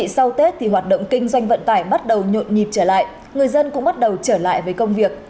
sau tết thì hoạt động kinh doanh vận tải bắt đầu nhộn nhịp trở lại người dân cũng bắt đầu trở lại với công việc